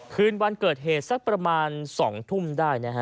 คืนวันเกิดเหตุสักประมาณ๒ทุ่มได้นะฮะ